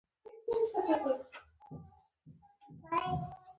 ژورې سرچینې د افغانستان د اوږدمهاله پایښت لپاره مهم رول لري.